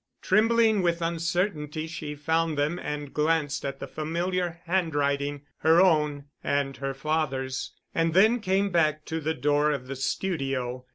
Trembling with uncertainty she found them and glanced at the familiar handwriting, her own and her father's, and then came back to the door of the studio.